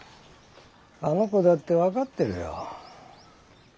あの子だって分かってるよ。